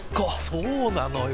そうなのよ。